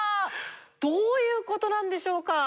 どういう事なんでしょうか？